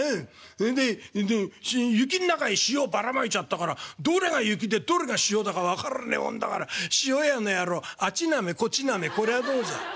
そんで雪ん中へ塩ばらまいちゃったからどれが雪でどれが塩だか分からねえもんだから塩屋の野郎あっちなめこっちなめこりゃどうじゃ」。